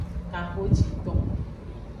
Kahociton.